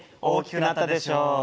大きくなったでしょう？